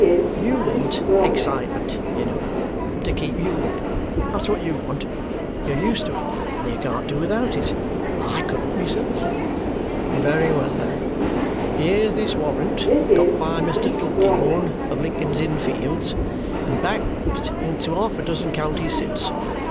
You want excitement, you know, to keep YOU up; that's what YOU want. You're used to it, and you can't do without it. I couldn't myself. Very well, then; here's this warrant got by Mr. Tulkinghorn of Lincoln's Inn Fields, and backed into half a dozen counties since.